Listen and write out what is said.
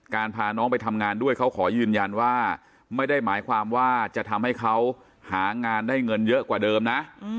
พาน้องไปทำงานด้วยเขาขอยืนยันว่าไม่ได้หมายความว่าจะทำให้เขาหางานได้เงินเยอะกว่าเดิมนะ